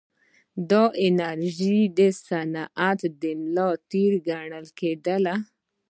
دا پروژې د صنعت د ملا تیر ګڼل کېدې.